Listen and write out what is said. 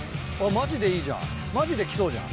マジでいいじゃんマジで来そうじゃん。